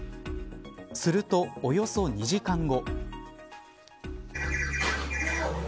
すると、およそ２時間後。